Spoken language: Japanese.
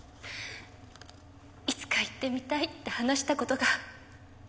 いつか行ってみたいって話した事が。